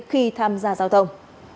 khi tham gia giao thông